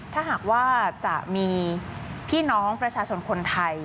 ถ้าหากว่าจะมีพี่น้องประชาชนคนไทย